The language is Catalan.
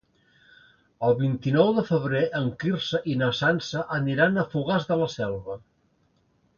El vint-i-nou de febrer en Quirze i na Sança aniran a Fogars de la Selva.